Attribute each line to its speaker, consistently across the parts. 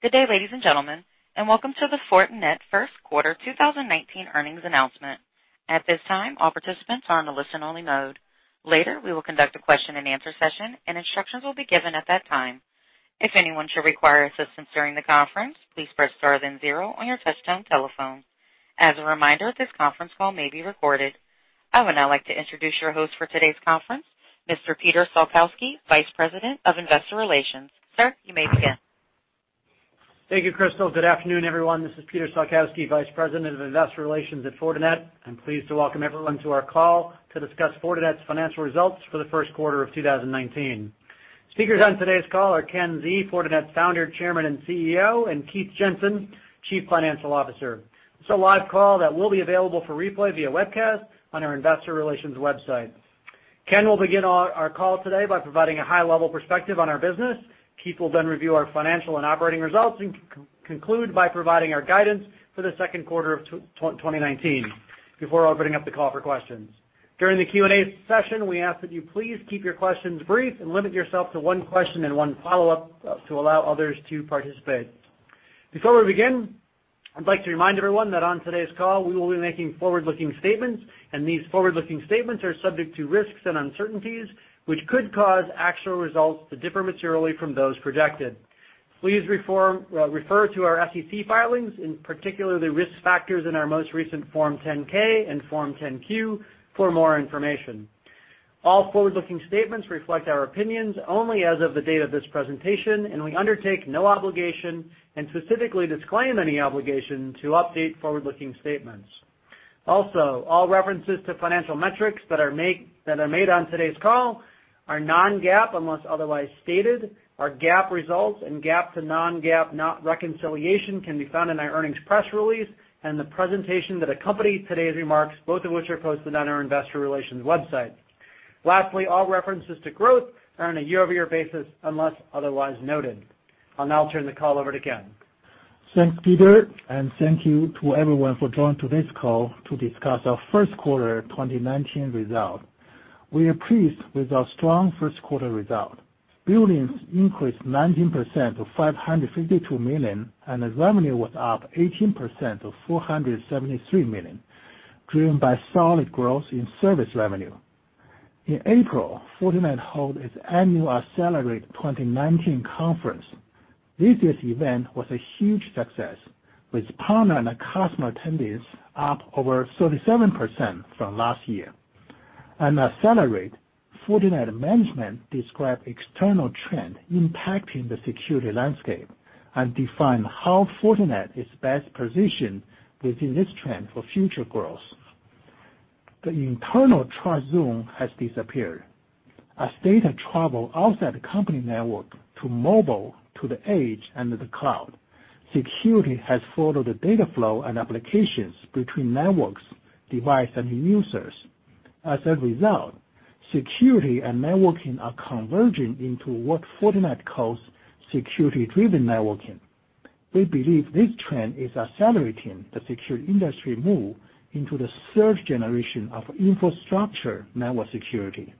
Speaker 1: Good day, ladies and gentlemen, welcome to the Fortinet first quarter 2019 earnings announcement. At this time, all participants are on the listen-only mode. Later, we will conduct a question and answer session, instructions will be given at that time. If anyone should require assistance during the conference, please press star then zero on your touchtone telephone. As a reminder, this conference call may be recorded. I would now like to introduce your host for today's conference, Mr. Peter Salkowski, Vice President of Investor Relations. Sir, you may begin.
Speaker 2: Thank you, Crystal. Good afternoon, everyone. This is Peter Salkowski, Vice President of Investor Relations at Fortinet. I'm pleased to welcome everyone to our call to discuss Fortinet's financial results for the first quarter of 2019. Speakers on today's call are Ken Xie, Fortinet's Founder, Chairman, and CEO, and Keith Jensen, Chief Financial Officer. This is a live call that will be available for replay via webcast on our investor relations website. Ken will begin our call today by providing a high-level perspective on our business. Keith will then review our financial and operating results and conclude by providing our guidance for the second quarter of 2019 before opening up the call for questions. During the Q&A session, we ask that you please keep your questions brief and limit yourself to one question and one follow-up to allow others to participate. Before we begin, I'd like to remind everyone that on today's call, we will be making forward-looking statements, these forward-looking statements are subject to risks and uncertainties, which could cause actual results to differ materially from those projected. Please refer to our SEC filings, particularly the risk factors in our most recent Form 10-K and Form 10-Q for more information. All forward-looking statements reflect our opinions only as of the date of this presentation, we undertake no obligation and specifically disclaim any obligation to update forward-looking statements. Also, all references to financial metrics that are made on today's call are non-GAAP unless otherwise stated. Our GAAP results and GAAP to non-GAAP reconciliation can be found in our earnings press release and the presentation that accompany today's remarks, both of which are posted on our investor relations website. Lastly, all references to growth are on a year-over-year basis unless otherwise noted. I'll now turn the call over to Ken.
Speaker 3: Thanks, Peter, and thank you to everyone for joining today's call to discuss our first quarter 2019 result. We are pleased with our strong first quarter result. Billings increased 19% to $552 million, and the revenue was up 18% to $473 million, driven by solid growth in service revenue. In April, Fortinet held its annual Accelerate 19 conference. This year's event was a huge success, with partner and customer attendance up over 37% from last year. At Accelerate, Fortinet management described external trend impacting the security landscape and defined how Fortinet is best positioned within this trend for future growth. The internal trust zone has disappeared. As data travel outside the company network to mobile, to the edge, and to the cloud, security has followed the data flow and applications between networks, device, and users. As a result, security and networking are converging into what Fortinet calls Security-driven Networking. We believe this trend is accelerating the security industry move into the third generation of infrastructure network security.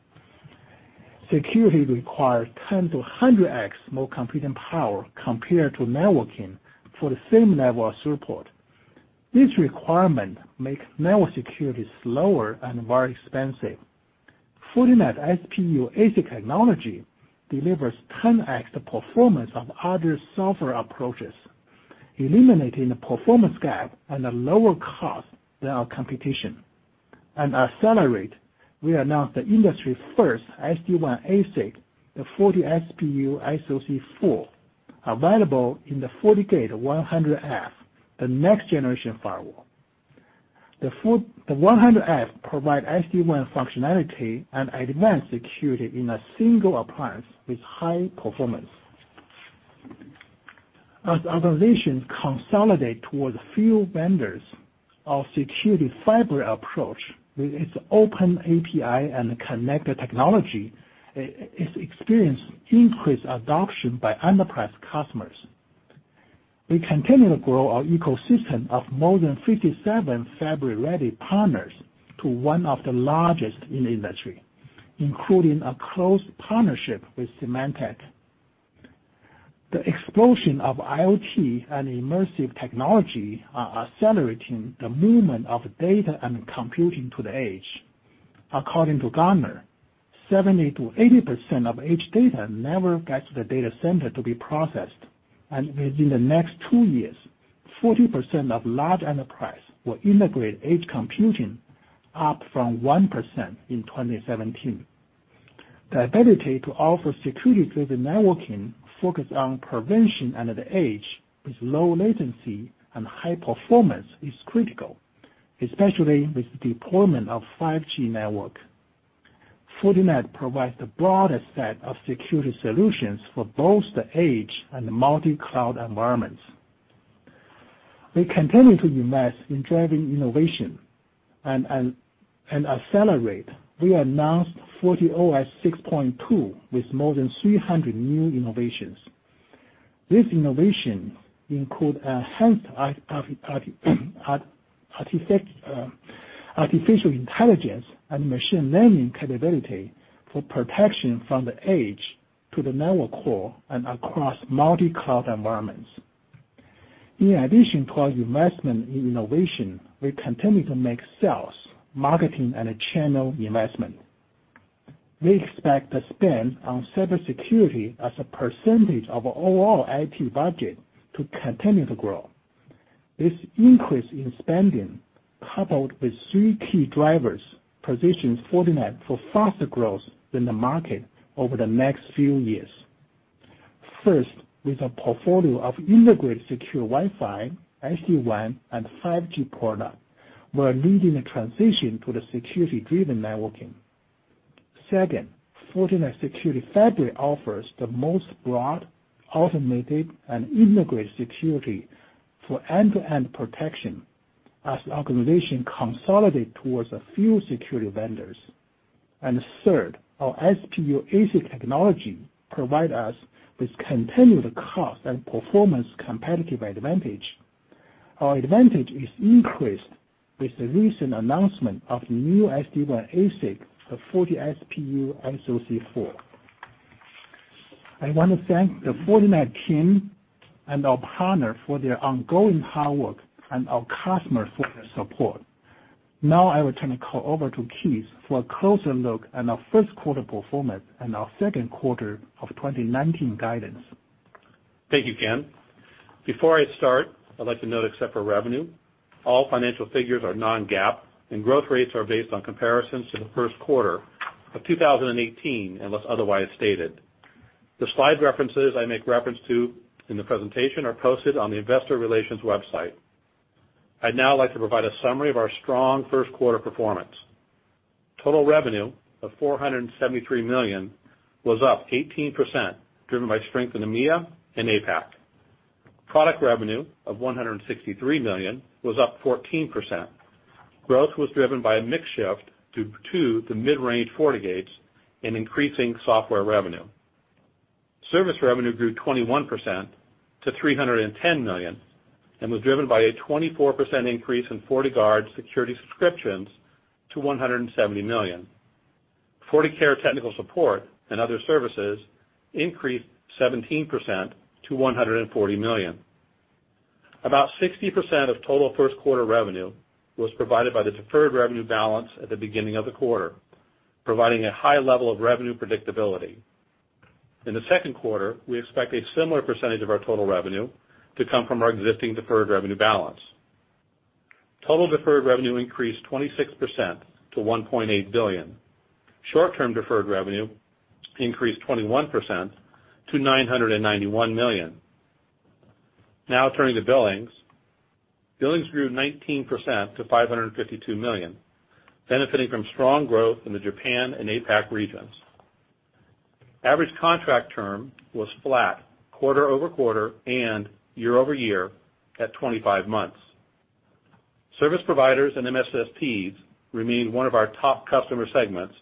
Speaker 3: Security requires 10 to 100x more computing power compared to networking for the same level of support. This requirement makes network security slower and very expensive. Fortinet SPU ASIC technology delivers 10x the performance of other software approaches, eliminating the performance gap at a lower cost than our competition. At Accelerate, we announced the industry-first SD-WAN ASIC, the FortiSPU SoC4, available in the FortiGate 100F, the next-generation firewall. The 100F provide SD-WAN functionality and advanced security in a single appliance with high performance. As organizations consolidate towards few vendors, our Security Fabric approach with its open API and connected technology is experiencing increased adoption by enterprise customers. We continue to grow our ecosystem of more than 57 Fabric-Ready Partners to one of the largest in the industry, including a close partnership with Symantec. The explosion of IoT and immersive technology are accelerating the movement of data and computing to the edge. According to Gartner, 70%-80% of edge data never gets to the data center to be processed, and within the next two years, 40% of large enterprise will integrate edge computing, up from 1% in 2017. The ability to offer Security-driven Networking focused on prevention and at the edge with low latency and high performance is critical, especially with deployment of 5G network. Fortinet provides the broadest set of security solutions for both the edge and multi-cloud environments. We continue to invest in driving innovation. At Accelerate, we announced FortiOS 6.2 with more than 300 new innovations. These innovations include enhanced artificial intelligence and machine learning capability for protection from the edge to the network core and across multi-cloud environments. In addition to our investment in innovation, we're continuing to make sales, marketing, and channel investment. We expect the spend on cybersecurity as a percentage of overall IT budget to continue to grow. This increase in spending, coupled with three key drivers, positions Fortinet for faster growth than the market over the next few years. First, with a portfolio of integrated secure Wi-Fi, SD-WAN, and 5G product, we are leading a transition to the Security-driven Networking. Second, Fortinet Security Fabric offers the most broad, automated, and integrated security for end-to-end protection as organization consolidate towards a few security vendors. Third, our SPU ASIC technology provide us with continued cost and performance competitive advantage. Our advantage is increased with the recent announcement of new SD-WAN ASIC, the FortiSPU SoC4. I want to thank the Fortinet team and our partner for their ongoing hard work and our customers for their support. Now I will turn the call over to Keith for a closer look at our first quarter performance and our second quarter of 2019 guidance.
Speaker 4: Thank you, Ken. Before I start, I'd like to note, except for revenue, all financial figures are non-GAAP, and growth rates are based on comparisons to the first quarter of 2018, unless otherwise stated. The slide references I make reference to in the presentation are posted on the investor relations website. I'd now like to provide a summary of our strong first quarter performance. Total revenue of $473 million was up 18%, driven by strength in EMEA and APAC. Product revenue of $163 million was up 14%. Growth was driven by a mix shift due to the mid-range FortiGates and increasing software revenue. Service revenue grew 21% to $310 million and was driven by a 24% increase in FortiGuard security subscriptions to $170 million. FortiCare technical support and other services increased 17% to $140 million. About 60% of total first quarter revenue was provided by the deferred revenue balance at the beginning of the quarter, providing a high level of revenue predictability. In the second quarter, we expect a similar percentage of our total revenue to come from our existing deferred revenue balance. Total deferred revenue increased 26% to $1.8 billion. Short-term deferred revenue increased 21% to $991 million. Now turning to billings. Billings grew 19% to $552 million, benefiting from strong growth in the Japan and APAC regions. Average contract term was flat quarter-over-quarter and year-over-year at 25 months. Service providers and MSSPs remain one of our top customer segments,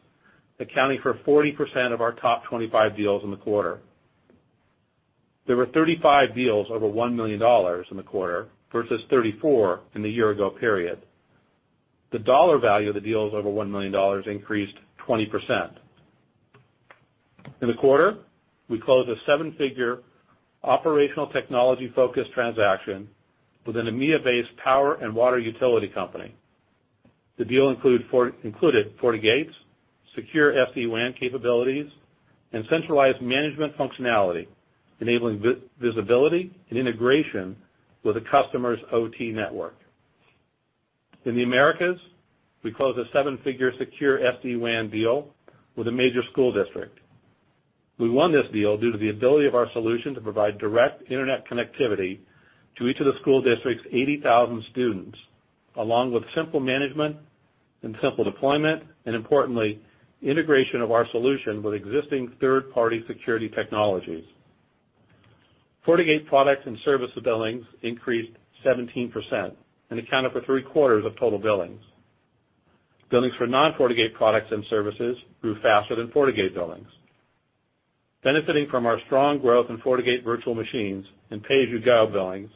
Speaker 4: accounting for 40% of our top 25 deals in the quarter. There were 35 deals over $1 million in the quarter versus 34 in the year ago period. The dollar value of the deals over $1 million increased 20%. In the quarter, we closed a seven-figure operational technology-focused transaction with an EMEA-based power and water utility company. The deal included FortiGates, secure SD-WAN capabilities, and centralized management functionality, enabling visibility and integration with the customer's OT network. In the Americas, we closed a seven-figure secure SD-WAN deal with a major school district. We won this deal due to the ability of our solution to provide direct internet connectivity to each of the school district's 80,000 students, along with simple management and simple deployment, and importantly, integration of our solution with existing third-party security technologies. FortiGate products and services billings increased 17% and accounted for three-quarters of total billings. Billings for non-FortiGate products and services grew faster than FortiGate billings. Benefiting from our strong growth in FortiGate virtual machines and pay-as-you-go billings,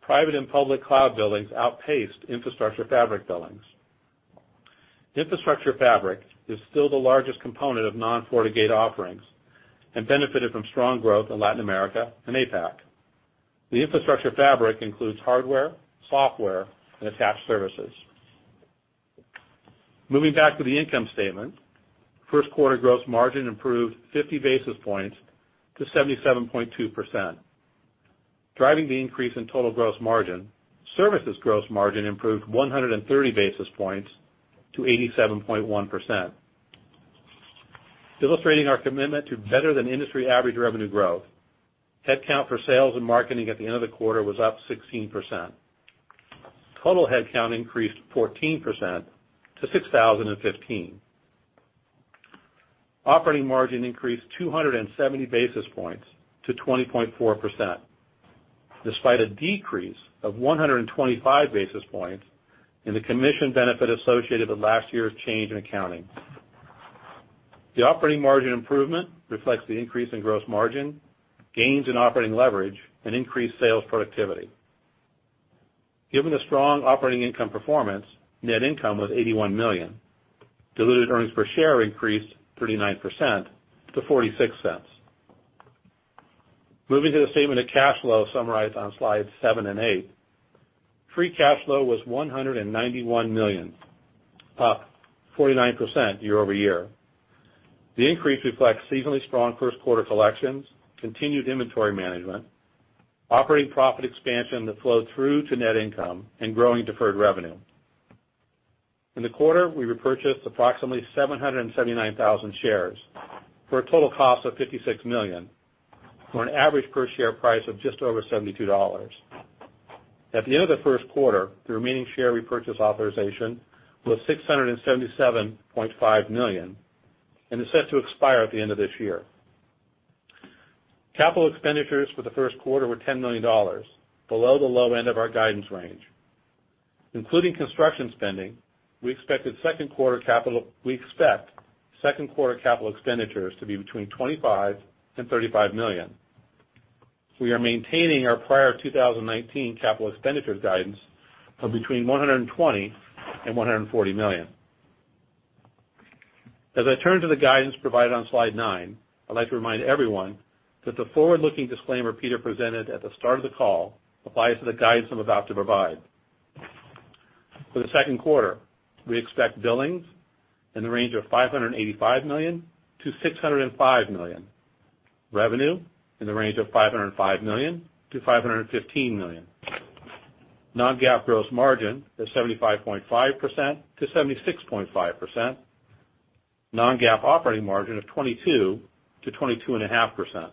Speaker 4: private and public cloud billings outpaced infrastructure fabric billings. Infrastructure fabric is still the largest component of non-FortiGate offerings and benefited from strong growth in Latin America and APAC. The infrastructure fabric includes hardware, software, and attached services. Moving back to the income statement, first quarter gross margin improved 50 basis points to 77.2%. Driving the increase in total gross margin, services gross margin improved 130 basis points to 87.1%. Illustrating our commitment to better-than-industry average revenue growth, headcount for sales and marketing at the end of the quarter was up 16%. Total headcount increased 14% to 6,015. Operating margin increased 270 basis points to 20.4%, despite a decrease of 125 basis points in the commission benefit associated with last year's change in accounting. The operating margin improvement reflects the increase in gross margin, gains in operating leverage, and increased sales productivity. Given the strong operating income performance, net income was $81 million. Diluted earnings per share increased 39% to $0.46. Moving to the statement of cash flow summarized on slides seven and eight. Free cash flow was $191 million, up 49% year-over-year. The increase reflects seasonally strong first quarter collections, continued inventory management, operating profit expansion that flowed through to net income, and growing deferred revenue. In the quarter, we repurchased approximately 779,000 shares for a total cost of $56 million, for an average per share price of just over $72. At the end of the first quarter, the remaining share repurchase authorization was $677.5 million and is set to expire at the end of this year. Capital expenditures for the first quarter were $10 million, below the low end of our guidance range. Including construction spending, we expect second quarter capital expenditures to be between $25 million and $35 million. We are maintaining our prior 2019 capital expenditures guidance of between $120 million and $140 million. As I turn to the guidance provided on slide nine, I'd like to remind everyone that the forward-looking disclaimer Peter presented at the start of the call applies to the guidance I'm about to provide. For the second quarter, we expect billings in the range of $585 million-$605 million, revenue in the range of $505 million-$515 million. Non-GAAP gross margin of 75.5%-76.5%, non-GAAP operating margin of 22%-22.5%,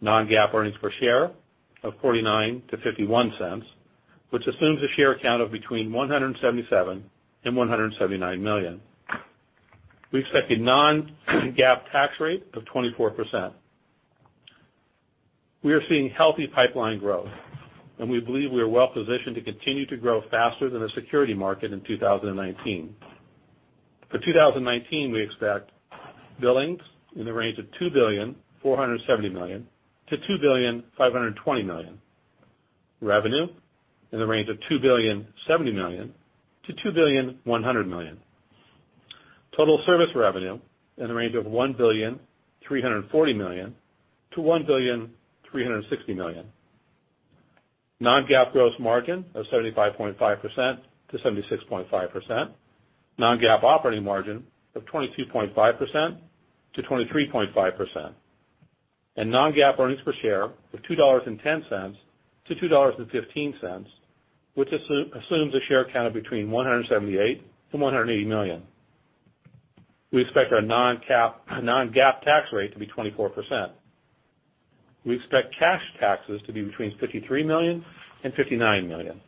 Speaker 4: non-GAAP earnings per share of $0.49-$0.51, which assumes a share count of between 177 million and 179 million. We expect a non-GAAP tax rate of 24%. We are seeing healthy pipeline growth, and we believe we are well positioned to continue to grow faster than the security market in 2019. For 2019, we expect billings in the range of $2,470 million-$2,520 million, revenue in the range of $2,070 million-$2,100 million. Total service revenue in the range of $1,340 million-$1,360 million. Non-GAAP gross margin of 75.5%-76.5%, non-GAAP operating margin of 22.5%-23.5%, and non-GAAP earnings per share of $2.10-$2.15, which assumes a share count of between 178 million and 180 million. We expect our non-GAAP tax rate to be 24%. We expect cash taxes to be between $53 million and $59 million.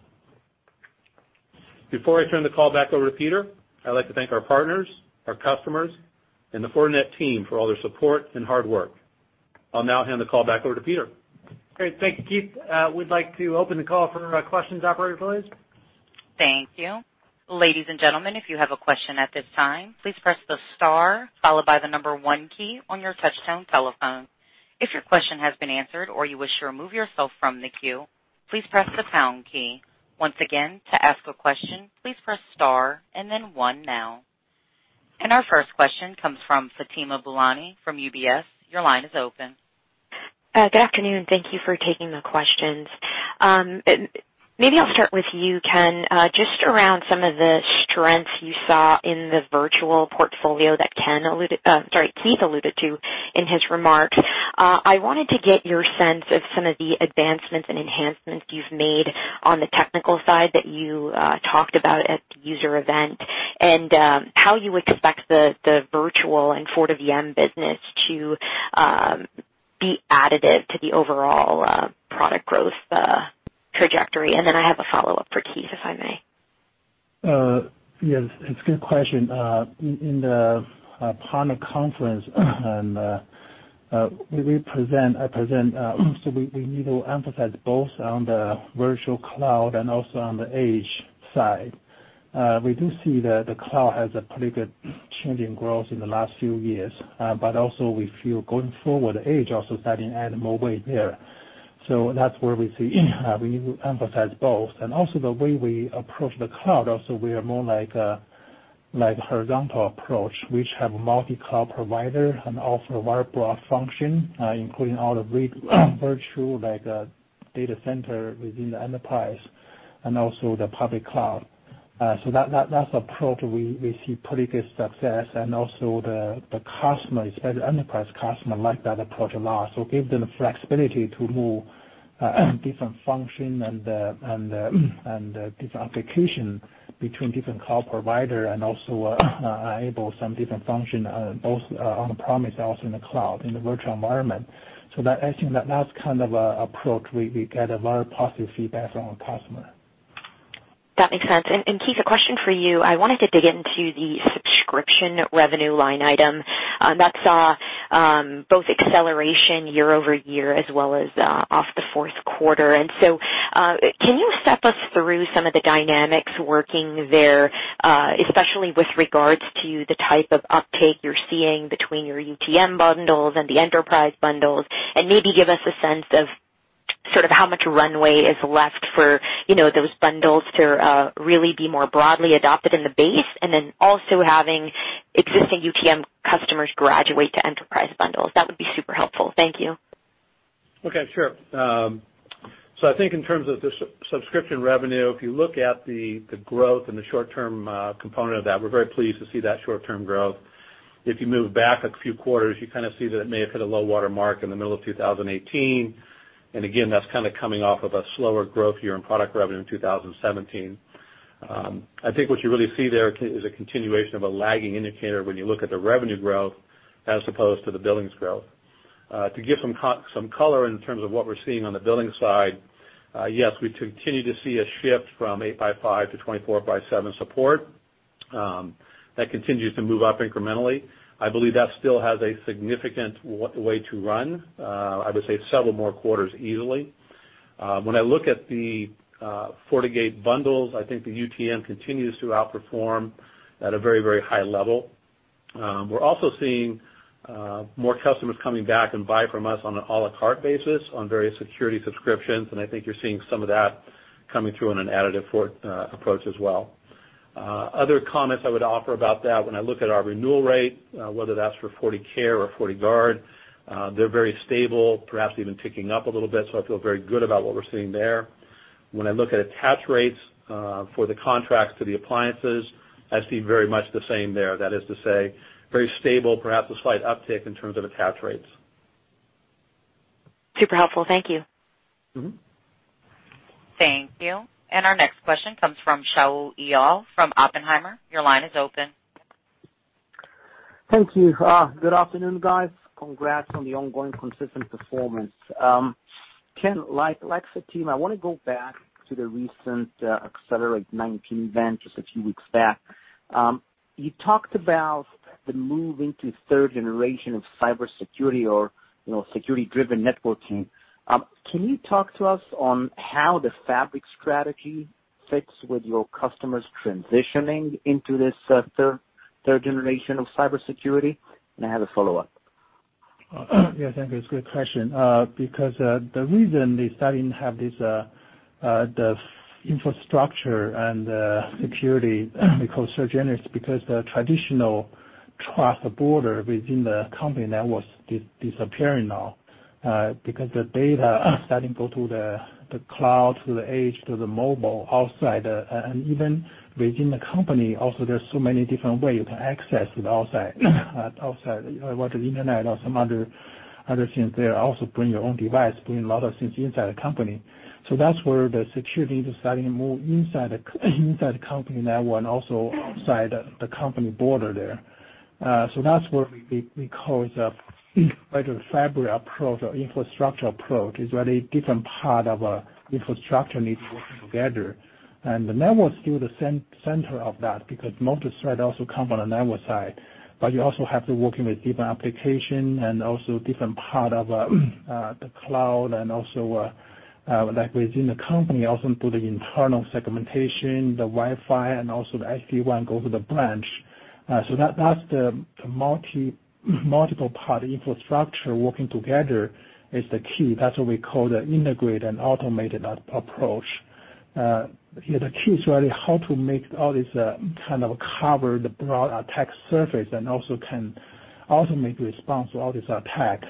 Speaker 4: Before I turn the call back over to Peter, I'd like to thank our partners, our customers, and the Fortinet team for all their support and hard work. I'll now hand the call back over to Peter.
Speaker 2: Great. Thank you, Keith. We'd like to open the call for questions, operator, please.
Speaker 1: Thank you. Ladies and gentlemen, if you have a question at this time, please press the star followed by the number one key on your touchtone telephone. If your question has been answered or you wish to remove yourself from the queue, please press the pound key. Once again, to ask a question, please press star and then one now. Our first question comes from Fatima Boolani from UBS. Your line is open.
Speaker 5: Good afternoon. Thank you for taking the questions. Maybe I'll start with you, Ken, just around some of the strengths you saw in the virtual portfolio that Keith alluded to in his remarks. I wanted to get your sense of some of the advancements and enhancements you've made on the technical side that you talked about at the user event and how you expect the virtual and FortiVM business to be additive to the overall product growth trajectory. Then I have a follow-up for Keith, if I may.
Speaker 3: Yes, it's a good question. In the partner conference I present, we need to emphasize both on the virtual cloud and also on the edge side. We do see that the cloud has a pretty good changing growth in the last few years. We feel going forward, edge also starting to add more weight there. That's where we see we need to emphasize both. The way we approach the cloud also, we are more like a horizontal approach, which have multi-cloud provider and also a very broad function, including all the virtual data center within the enterprise and also the public cloud. That's approach we see pretty good success and also the customer, especially enterprise customer, like that approach a lot. Give them flexibility to move different function and different application between different cloud provider and also enable some different function both on-premise and also in the cloud, in the virtual environment. I think that's approach we get a very positive feedback from our customer.
Speaker 5: That makes sense. Keith, a question for you. I wanted to dig into the subscription revenue line item that saw both acceleration year-over-year as well as off the fourth quarter. Can you step us through some of the dynamics working there, especially with regards to the type of uptake you're seeing between your UTM bundles and the enterprise bundles, and maybe give us a sense of sort of how much runway is left for those bundles to really be more broadly adopted in the base, and then also having existing UTM customers graduate to enterprise bundles. That would be super helpful. Thank you.
Speaker 4: Okay, sure. I think in terms of the subscription revenue, if you look at the growth and the short-term component of that, we're very pleased to see that short-term growth. If you move back a few quarters, you kind of see that it may have hit a low water mark in the middle of 2018. Again, that's kind of coming off of a slower growth year in product revenue in 2017. I think what you really see there is a continuation of a lagging indicator when you look at the revenue growth as opposed to the billings growth. To give some color in terms of what we're seeing on the billing side, yes, we continue to see a shift from 8x5 to 24x7 support. That continues to move up incrementally. I believe that still has a significant way to run, I would say several more quarters easily. When I look at the FortiGate bundles, I think the UTM continues to outperform at a very high level. We're also seeing more customers coming back and buy from us on an à la carte basis on various security subscriptions, I think you're seeing some of that coming through in an additive approach as well. Other comments I would offer about that, when I look at our renewal rate, whether that's for FortiCare or FortiGuard, they're very stable, perhaps even ticking up a little bit. I feel very good about what we're seeing there. When I look at attach rates for the contracts to the appliances, I see very much the same there. That is to say, very stable, perhaps a slight uptick in terms of attach rates.
Speaker 5: Super helpful. Thank you.
Speaker 1: Thank you. Our next question comes from Shaul Eyal from Oppenheimer. Your line is open.
Speaker 6: Thank you. Good afternoon, guys. Congrats on the ongoing consistent performance. Ken, like the team, I want to go back to the recent Accelerate 19 event just a few weeks back. You talked about the move into third generation of cybersecurity or Security-driven Networking. Can you talk to us on how the fabric strategy fits with your customers transitioning into this third generation of cybersecurity? I have a follow-up.
Speaker 3: Thank you. It's a good question. The reason they starting to have this, the infrastructure and the security we call third-gen is because the traditional trust border within the company now was disappearing now because the data starting to go to the cloud, to the edge, to the mobile outside. Even within the company also, there's so many different way you can access it outside. Whether internet or some other things there. Also bring your own device, bring a lot of things inside the company. That's where the security is starting to move inside the company now and also outside the company border there. That's where we call it a Fabric approach or infrastructure approach. It's really different part of a infrastructure need to working together. The network is still the center of that because most threat also come from the network side. You also have to working with different application and also different part of the cloud and also like within the company, also into the internal segmentation, the Wi-Fi, and also the SD-WAN go to the branch. That's the multiple part infrastructure working together is the key. That's what we call the integrate and automated approach. The key is really how to make all this kind of cover the broad attack surface and also can automate response to all this attack.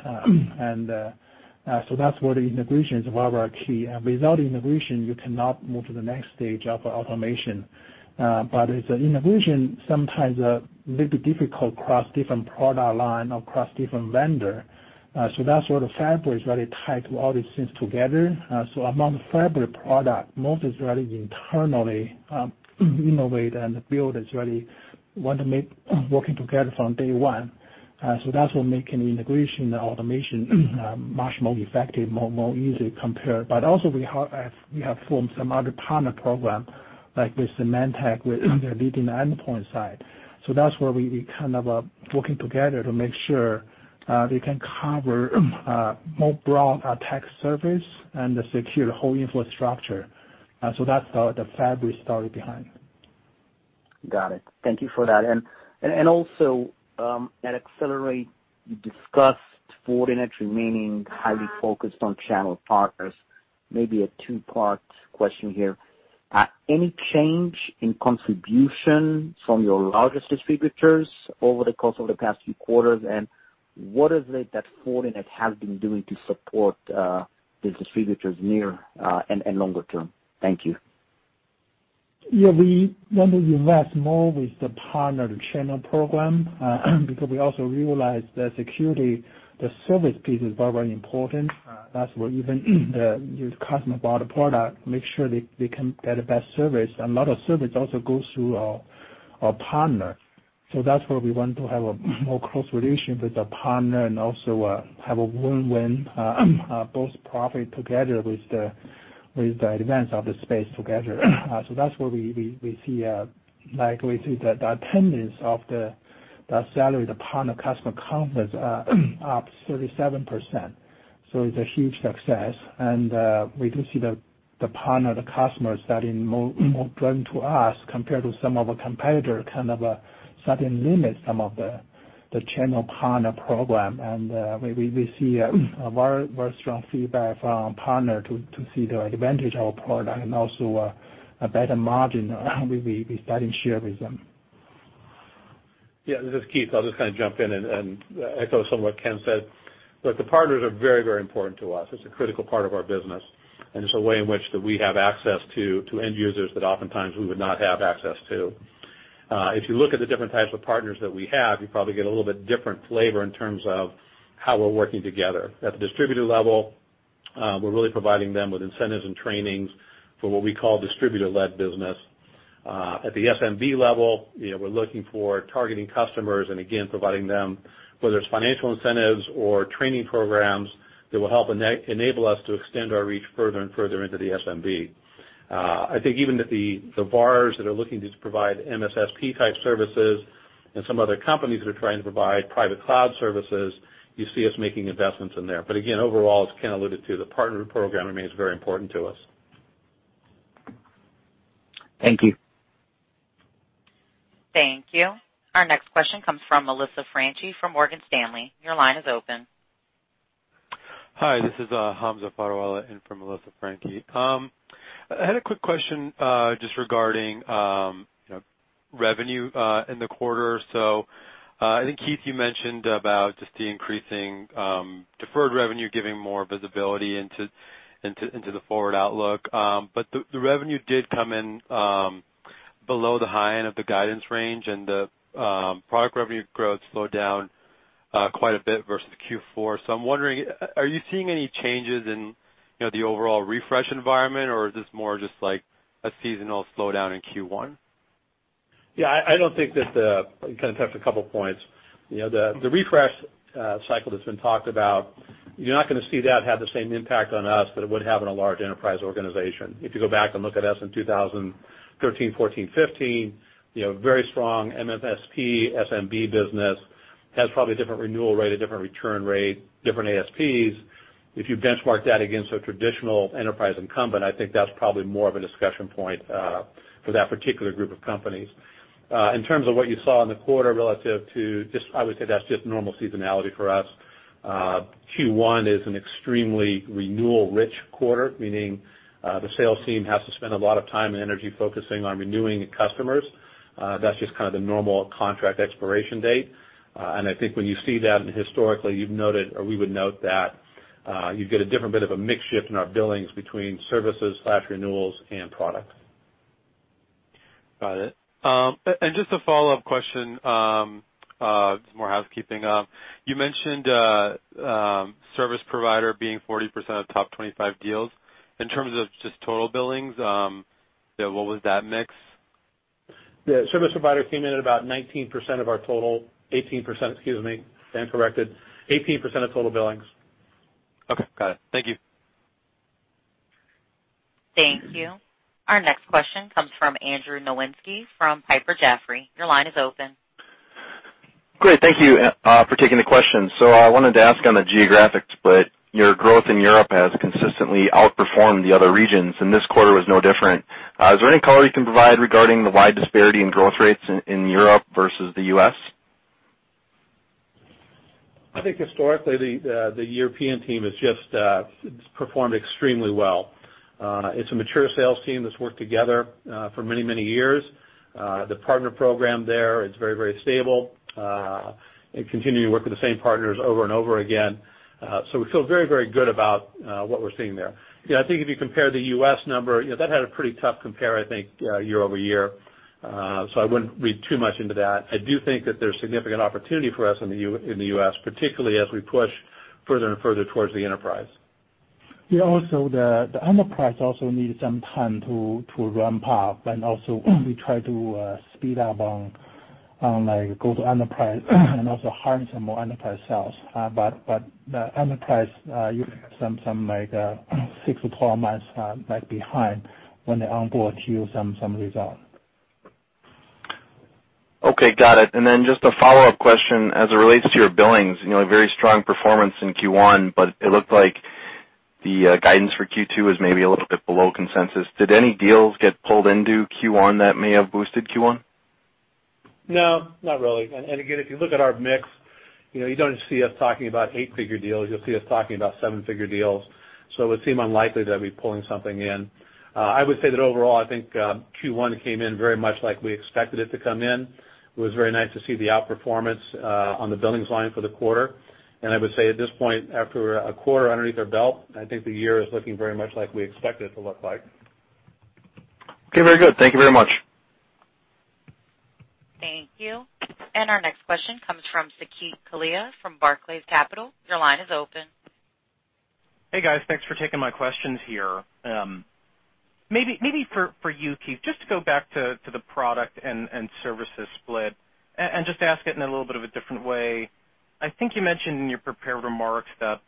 Speaker 3: That's where the integration is very key. Without integration, you cannot move to the next stage of automation. It's an integration sometimes a little bit difficult across different product line or across different vendor. That's where the Fabric is really tied to all these things together. Among Fabric product, most is really internally innovate and build is really want to make working together from day one. That's what making the integration and automation much more effective, more easy compared. Also we have formed some other partner program, like with Symantec, with their leading endpoint side. That's where we kind of working together to make sure they can cover more broad attack surface and secure the whole infrastructure. That's the Fabric story behind.
Speaker 6: Got it. Thank you for that. Also, at Accelerate, you discussed Fortinet remaining highly focused on channel partners. Maybe a two-part question here. Any change in contribution from your largest distributors over the course of the past few quarters, and what is it that Fortinet has been doing to support the distributors near and longer term? Thank you.
Speaker 3: Yeah, we want to invest more with the partner channel program because we also realize that security, the service piece is very important. That's where even the customer bought the product, make sure they can get the best service. Lot of service also goes through our partner. That's where we want to have a more close relationship with the partner and also have a win-win, both profit together with the advance of the space together. That's where we see the attendance of the salary, the partner customer conference are up 37%. It's a huge success. We do see the partner, the customers that in more drawn to us compared to some of our competitor, kind of sudden limit some of the channel partner program. We see a very strong feedback from partner to see the advantage of our product and also a better margin we starting share with them.
Speaker 4: Yeah, this is Keith. I'll just kind of jump in and echo somewhat Ken said. Look, the partners are very important to us. It's a critical part of our business, and it's a way in which that we have access to end users that oftentimes we would not have access to. If you look at the different types of partners that we have, you probably get a little bit different flavor in terms of how we're working together. At the distributor level, we're really providing them with incentives and trainings for what we call distributor-led business. At the SMB level, we're looking for targeting customers and again, providing them, whether it's financial incentives or training programs that will help enable us to extend our reach further and further into the SMB. I think even at the VARs that are looking to provide MSSP-type services and some other companies that are trying to provide private cloud services, you see us making investments in there. Again, overall, as Ken alluded to, the partner program remains very important to us.
Speaker 6: Thank you.
Speaker 1: Thank you. Our next question comes from Melissa Franchi from Morgan Stanley. Your line is open.
Speaker 7: Hi, this is Hamza Fodderwala in for Melissa Franchi. I had a quick question, just regarding revenue in the quarter. I think, Keith, you mentioned about just the increasing deferred revenue giving more visibility into the forward outlook. The revenue did come in below the high end of the guidance range, and the product revenue growth slowed down quite a bit versus Q4. I'm wondering, are you seeing any changes in the overall refresh environment, or is this more just like a seasonal slowdown in Q1?
Speaker 4: I kind of touched a couple points. The refresh cycle that's been talked about, you're not going to see that have the same impact on us that it would have on a large enterprise organization. If you go back and look at us in 2013, 2014, 2015, very strong MSSP, SMB business, has probably a different renewal rate, a different return rate, different ASPs. If you benchmark that against a traditional enterprise incumbent, I think that's probably more of a discussion point for that particular group of companies. In terms of what you saw in the quarter relative to just, I would say that's just normal seasonality for us. Q1 is an extremely renewal-rich quarter, meaning, the sales team has to spend a lot of time and energy focusing on renewing customers. That's just kind of the normal contract expiration date. I think when you see that, and historically you've noted, or we would note that, you get a different bit of a mix shift in our billings between services, slash renewals and products.
Speaker 7: Got it. Just a follow-up question, just more housekeeping. You mentioned service provider being 40% of top 25 deals. In terms of just total billings, what was that mix?
Speaker 4: Yeah, service provider came in at about 19% of our total. 18%, excuse me. Stand corrected. 18% of total billings.
Speaker 7: Okay. Got it. Thank you.
Speaker 1: Thank you. Our next question comes from Andrew Nowinski from Piper Jaffray. Your line is open.
Speaker 8: Great. Thank you for taking the question. I wanted to ask on the geographic split. Your growth in Europe has consistently outperformed the other regions, and this quarter was no different. Is there any color you can provide regarding the wide disparity in growth rates in Europe versus the U.S.?
Speaker 4: I think historically, the European team it's performed extremely well. It's a mature sales team that's worked together for many years. The partner program there is very stable, and continue to work with the same partners over and over again. We feel very good about what we're seeing there. I think if you compare the U.S. number, that had a pretty tough compare, I think, year-over-year. I wouldn't read too much into that. I do think that there's significant opportunity for us in the U.S., particularly as we push further and further towards the enterprise.
Speaker 3: Also the enterprise also need some time to ramp up, also we try to speed up on go to enterprise also hiring some more enterprise sales. The enterprise, you have some six to 12 months behind when they onboard to some result.
Speaker 8: Okay. Got it. Just a follow-up question as it relates to your billings. A very strong performance in Q1, but it looked like the guidance for Q2 is maybe a little bit below consensus. Did any deals get pulled into Q1 that may have boosted Q1?
Speaker 4: No, not really. Again, if you look at our mix, you don't see us talking about 8-figure deals. You'll see us talking about 7-figure deals. It would seem unlikely that I'd be pulling something in. I would say that overall, I think Q1 came in very much like we expected it to come in. It was very nice to see the outperformance on the billings line for the quarter. I would say at this point, after a quarter underneath our belt, I think the year is looking very much like we expect it to look like.
Speaker 8: Okay. Very good. Thank you very much.
Speaker 1: Thank you. Our next question comes from Saket Kalia from Barclays Capital. Your line is open.
Speaker 9: Hey guys, thanks for taking my questions here. Maybe for you, Keith, just to go back to the product and services split and just ask it in a little bit of a different way. I think you mentioned in your prepared remarks that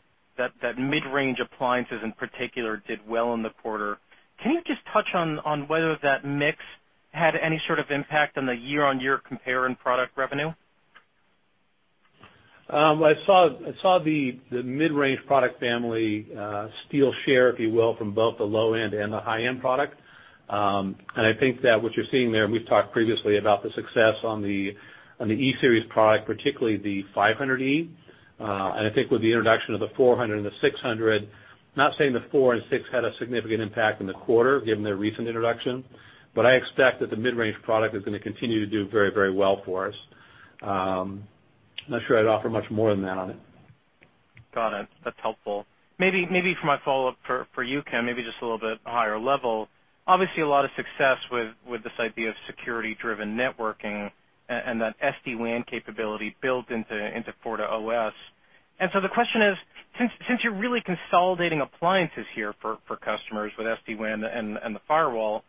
Speaker 9: mid-range appliances in particular did well in the quarter. Can you just touch on whether that mix had any sort of impact on the year-over-year compare in product revenue?
Speaker 4: I saw the mid-range product family steal share, if you will, from both the low end and the high-end product. I think that what you're seeing there, we've talked previously about the success on the E-Series product, particularly the 500E. I think with the introduction of the 400 and the 600, not saying the four and six had a significant impact in the quarter given their recent introduction, but I expect that the mid-range product is going to continue to do very well for us. I'm not sure I'd offer much more than that on it.
Speaker 9: Got it. That's helpful. Maybe for my follow-up for you, Ken, maybe just a little bit higher level. Obviously, a lot of success with this idea of Security-driven Networking and that SD-WAN capability built into FortiOS. The question is, since you're really consolidating appliances here for customers with SD-WAN and the firewall,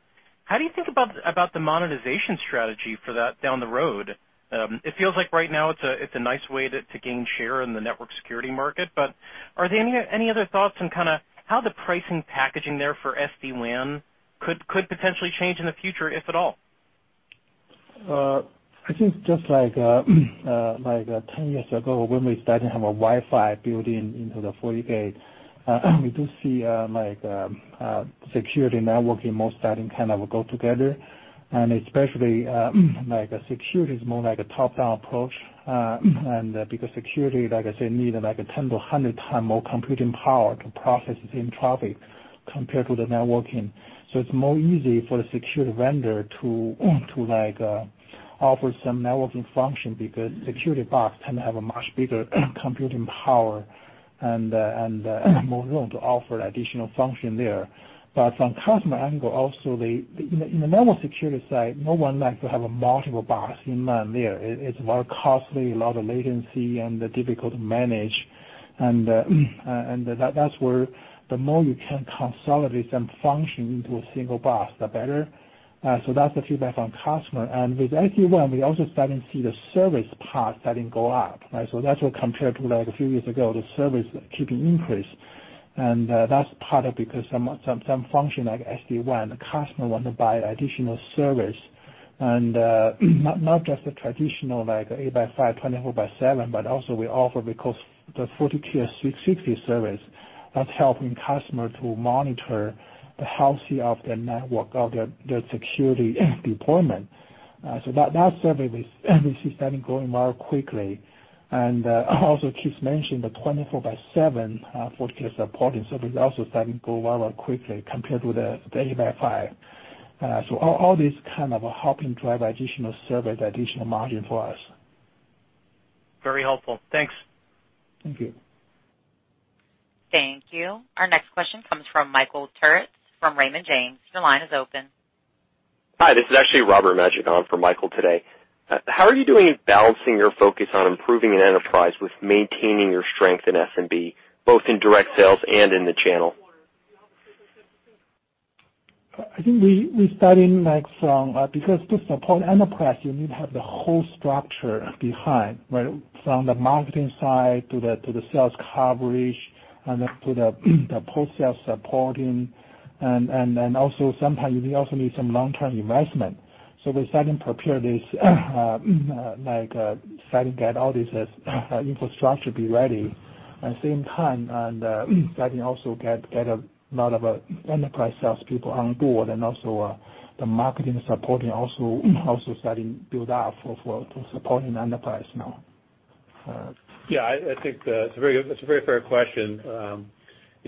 Speaker 9: how do you think about the monetization strategy for that down the road? It feels like right now it's a nice way to gain share in the network security market. Are there any other thoughts on how the pricing packaging there for SD-WAN could potentially change in the future, if at all?
Speaker 3: I think just like 10 years ago, when we started to have a Wi-Fi built-in into the FortiGate, we do see security networking more starting, kind of go together. Especially, security is more like a top-down approach, and because security, like I said, need like a 10 to 100 time more computing power to process the same traffic compared to the networking. It's more easy for the security vendor to offer some networking function because security box can have a much bigger computing power and more room to offer additional function there. But from customer angle, also, in the normal security side, no one likes to have multiple box in line there. It's more costly, a lot of latency, and difficult to manage. That's where the more you can consolidate some function into a single box, the better. That's the feedback from customer. With SD-WAN, we also starting to see the service part starting go up. That's why compared to like a few years ago, the service keeping increase. That's part of because some function like SD-WAN, the customer want to buy additional service. Not just the traditional, like 8 by 5, 24 by 7, but also we offer, we call the FortiCare 360° service. That's helping customer to monitor the health of their network, of their security deployment. That service we see starting going very quickly. Also, Keith mentioned the 24 by 7 FortiCare support and service also starting to go very quickly compared to the 8 by 5. All these kind of helping drive additional service, additional margin for us.
Speaker 9: Very helpful. Thanks.
Speaker 3: Thank you.
Speaker 1: Thank you. Our next question comes from Michael Turits from Raymond James. Your line is open.
Speaker 10: Hi, this is actually Robert Majek for Michael today. How are you doing balancing your focus on improving an enterprise with maintaining your strength in SMB, both in direct sales and in the channel?
Speaker 3: I think we're starting like because to support enterprise, you need to have the whole structure behind, right? From the marketing side to the sales coverage and to the post-sales supporting. Sometimes you may also need some long-term investment. We're starting to prepare this, like, starting to get all this infrastructure be ready at same time, and starting also get a lot of enterprise salespeople on board, and also the marketing support and also starting build out for supporting enterprise now.
Speaker 4: Yeah, I think that's a very fair question.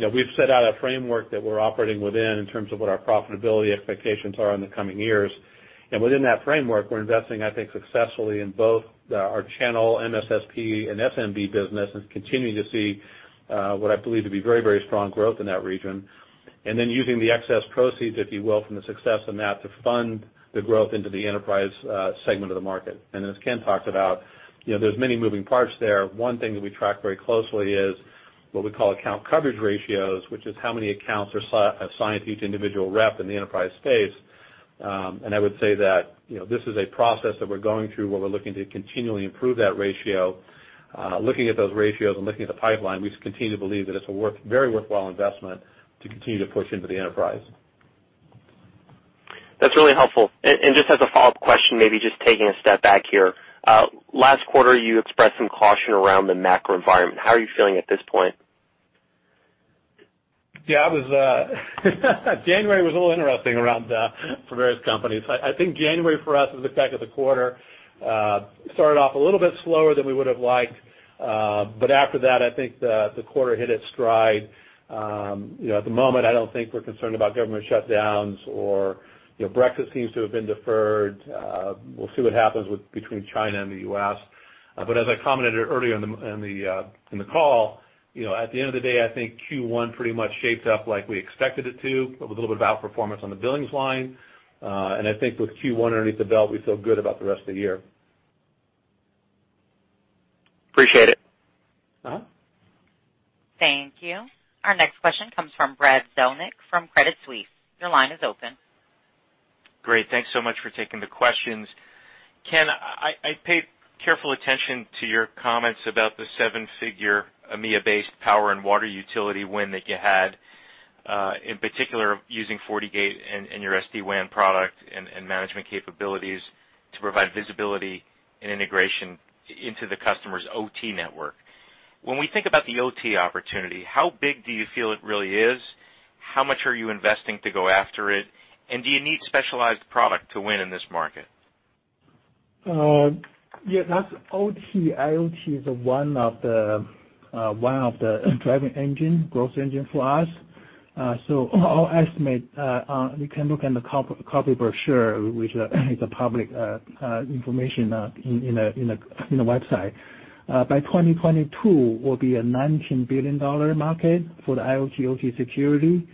Speaker 4: We've set out a framework that we're operating within in terms of what our profitability expectations are in the coming years. Within that framework, we're investing, I think, successfully in both our channel MSSP and SMB business and continuing to see what I believe to be very strong growth in that region. Using the excess proceeds, if you will, from the success of that to fund the growth into the enterprise segment of the market. As Ken talked about, there's many moving parts there. One thing that we track very closely is what we call account coverage ratios, which is how many accounts are assigned to each individual rep in the enterprise space. I would say that this is a process that we're going through where we're looking to continually improve that ratio. Looking at those ratios and looking at the pipeline, we continue to believe that it's a very worthwhile investment to continue to push into the enterprise.
Speaker 10: That's really helpful. Just as a follow-up question, maybe just taking a step back here. Last quarter, you expressed some caution around the macro environment. How are you feeling at this point?
Speaker 4: Yeah. January was a little interesting around for various companies. I think January for us as a check of the quarter, started off a little bit slower than we would have liked. After that, I think the quarter hit its stride. At the moment, I don't think we're concerned about government shutdowns or Brexit seems to have been deferred. We'll see what happens between China and the U.S. As I commented earlier in the call, at the end of the day, I think Q1 pretty much shapes up like we expected it to, with a little bit of outperformance on the billings line. I think with Q1 underneath the belt, we feel good about the rest of the year. Appreciate it.
Speaker 1: Thank you. Our next question comes from Brad Zelnick from Credit Suisse. Your line is open.
Speaker 11: Great. Thanks so much for taking the questions. Ken, I paid careful attention to your comments about the 7-figure EMEA-based power and water utility win that you had, in particular using FortiGate and your SD-WAN product and management capabilities to provide visibility and integration into the customer's OT network. When we think about the OT opportunity, how big do you feel it really is? How much are you investing to go after it? Do you need specialized product to win in this market?
Speaker 3: Yes, that's OT. IoT is one of the driving growth engine for us. Our estimate, you can look in the copy brochure, which is a public information in the website. By 2022, will be a $19 billion market for the IoT/OT security.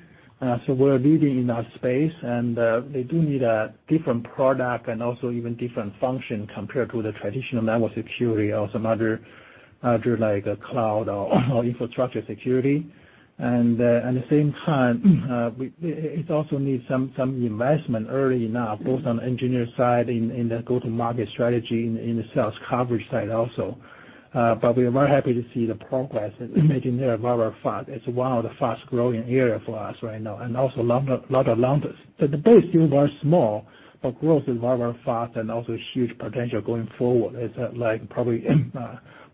Speaker 3: We're leading in that space, and they do need a different product and also even different function compared to the traditional network security or some other, like cloud or infrastructure security. At the same time, it also needs some investment early enough, both on the engineer side, in the go-to-market strategy, in the sales coverage side also. We are very happy to see the progress is making there very fast. It's one of the fast-growing area for us right now, and also lot of numbers. The base is very small, but growth is very fast and also huge potential going forward. It's probably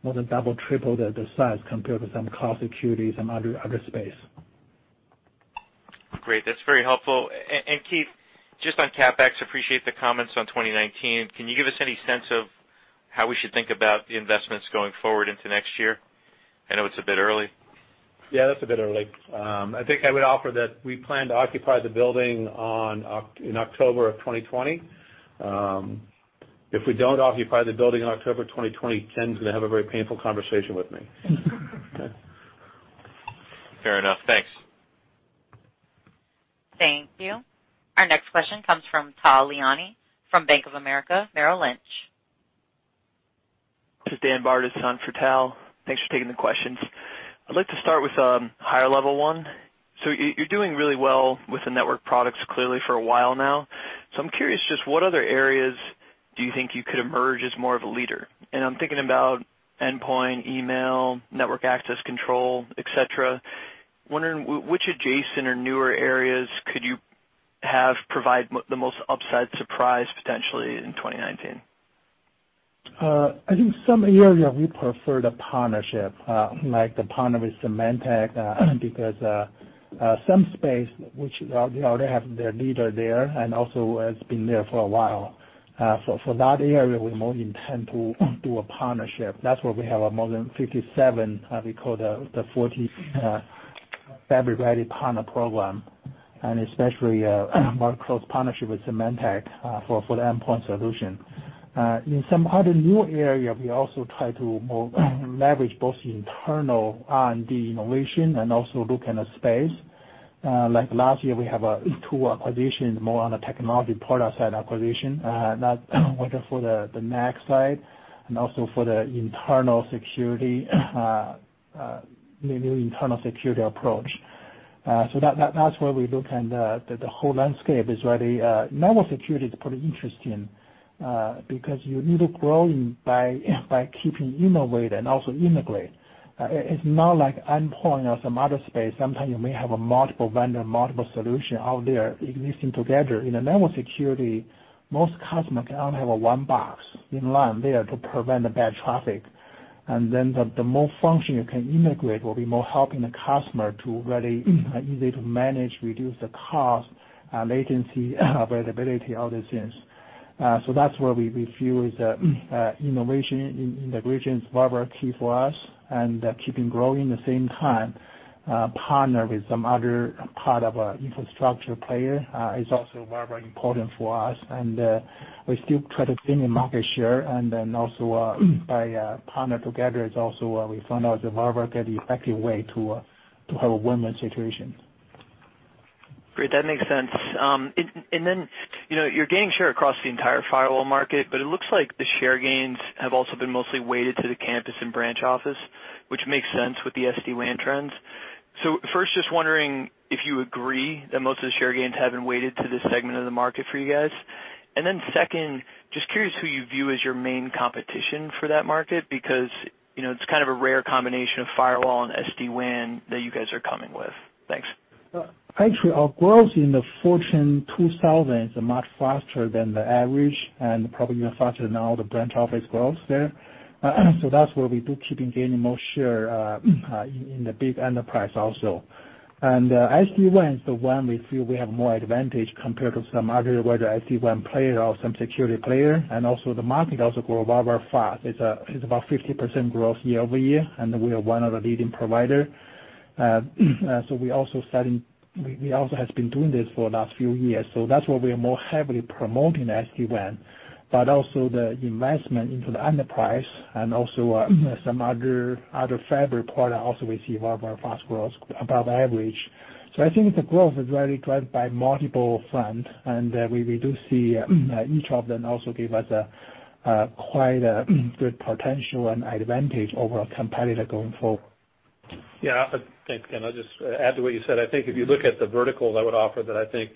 Speaker 3: more than double, triple the size compared to some cloud security, some other space.
Speaker 11: Great. That's very helpful. Keith, just on CapEx, appreciate the comments on 2019. Can you give us any sense of how we should think about the investments going forward into next year? I know it's a bit early.
Speaker 4: Yeah, that's a bit early. I think I would offer that we plan to occupy the building in October of 2020. If we don't occupy the building in October 2020, Ken's going to have a very painful conversation with me. Okay.
Speaker 11: Fair enough. Thanks.
Speaker 1: Thank you. Our next question comes from Tal Liani from Bank of America Merrill Lynch.
Speaker 12: This is Daniel Bartus on for Tal. Thanks for taking the questions. I'd like to start with a higher level one. You're doing really well with the network products clearly for a while now. I'm curious just what other areas do you think you could emerge as more of a leader? I'm thinking about endpoint, email, network access control, et cetera. Wondering which adjacent or newer areas could you have provide the most upside surprise potentially in 2019?
Speaker 3: I think some area we prefer the partnership, like the partner with Symantec, because some space, which they already have their leader there and also has been there for a while. For that area, we more intend to do a partnership. That's why we have more than 57, we call the Fortinet Fabric-Ready Partner program, and especially more close partnership with Symantec for the endpoint solution. In some other new area, we also try to more leverage both the internal R&D innovation and also look in the space. Last year, we have two acquisitions more on the technology product side acquisition, not only for the NAC side and also for the new internal security approach. That's where we look and the whole landscape is very Network security is pretty interesting, because you need to grow by keeping innovate and also integrate. It's not like endpoint or some other space. Sometimes you may have a multiple vendor, multiple solution out there existing together. In a network security, most customer can only have a one box in line there to prevent the bad traffic. The more function you can integrate will be more helping the customer to very easy to manage, reduce the cost, latency, availability, all these things. That's where we feel the innovation, integration is very key for us, and keeping growing at the same time. Partner with some other part of a infrastructure player is also very, very important for us. We still try to gain the market share, and then also by partner together is also we found out is a very, very effective way to have a win-win situation.
Speaker 12: Great. That makes sense. You're gaining share across the entire firewall market, but it looks like the share gains have also been mostly weighted to the campus and branch office, which makes sense with the SD-WAN trends. First, just wondering if you agree that most of the share gains have been weighted to this segment of the market for you guys. Second, just curious who you view as your main competition for that market, because it's kind of a rare combination of firewall and SD-WAN that you guys are coming with. Thanks.
Speaker 3: Actually, our growth in the Global 2000 is much faster than the average and probably even faster than all the branch office growth there. That's where we do keeping gaining more share in the big enterprise also. SD-WAN is the one we feel we have more advantage compared to some other, whether SD-WAN player or some security player. The market also grow very fast. It's about 50% growth year-over-year, and we are one of the leading provider. We also have been doing this for the last few years. That's why we are more heavily promoting SD-WAN, but also the investment into the enterprise and also some other Fabric product also we see very fast growth above average. I think the growth is really driven by multiple front, we do see each of them also give us quite a good potential and advantage over a competitor going forward.
Speaker 4: Yeah. Thanks again. I'll just add to what you said. I think if you look at the verticals, I would offer that I think,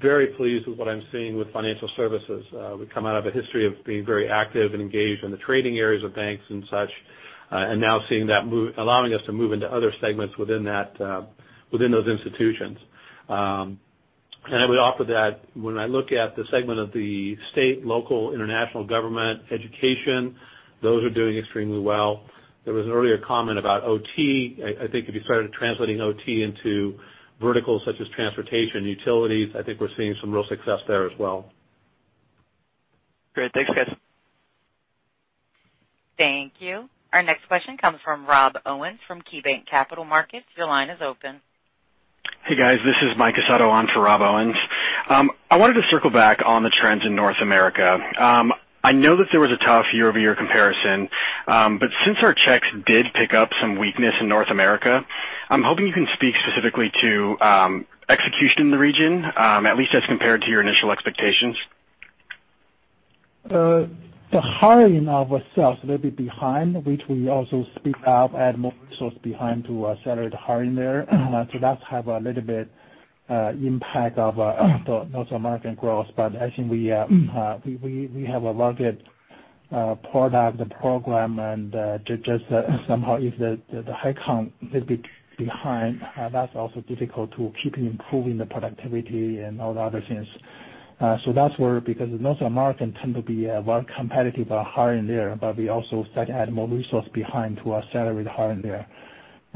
Speaker 4: very pleased with what I'm seeing with financial services. We come out of a history of being very active and engaged in the trading areas of banks and such, and now seeing that allowing us to move into other segments within those institutions. I would offer that when I look at the segment of the state, local, international government, education, those are doing extremely well. There was an earlier comment about OT. I think if you started translating OT into verticals such as transportation, utilities, I think we're seeing some real success there as well.
Speaker 12: Great. Thanks, guys.
Speaker 1: Thank you. Our next question comes from Rob Owens from KeyBanc Capital Markets. Your line is open.
Speaker 13: Hey, guys. This is Mike Casado on for Rob Owens. I wanted to circle back on the trends in North America. I know that there was a tough year-over-year comparison. Since our checks did pick up some weakness in North America, I'm hoping you can speak specifically to execution in the region, at least as compared to your initial expectations.
Speaker 3: The hiring of sales may be behind, which we also speak up, add more resource behind to accelerate hiring there. That's have a little bit impact of North American growth. I think we have a rugged product program, and just somehow if the headcount little bit behind, that's also difficult to keep improving the productivity and all the other things. That's where, because North American tend to be very competitive hiring there, we also start add more resource behind to accelerate hiring there.